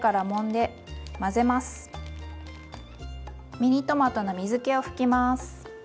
ミニトマトの水けを拭きます。